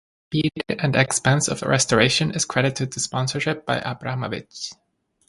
Speed and expense of restoration is credited to sponsorship by Abramovich.